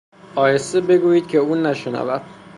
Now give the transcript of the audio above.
آهسته بگوئید که او نشنود